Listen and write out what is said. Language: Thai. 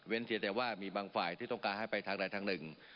เพียงแต่ว่ามีบางฝ่ายที่ต้องการให้ไปทางใดทางหนึ่ง